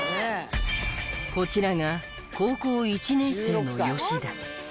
こちらが高校１年生の吉田。